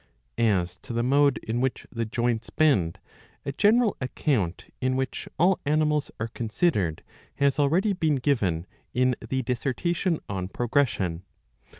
^^ As to the mode in which the joints bend, a general account, in which all animals are considered, has already been given in the dissertation on Progression.